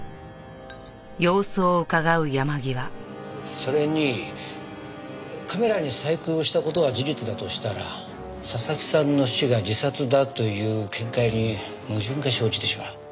それにカメラに細工をした事が事実だとしたら佐々木さんの死が自殺だという見解に矛盾が生じてしまう。